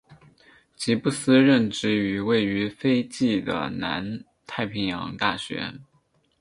吉布斯任职于位于斐济的南太平洋大学。